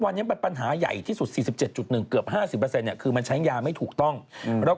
อ่าช่วงหน้ามาฟังนะครับ